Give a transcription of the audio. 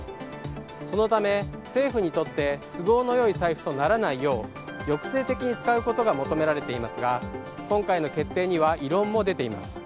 そのため政府にとって都合のよい財布とならないよう抑制的に使うことが求められていますが今回の決定には異論も出ています。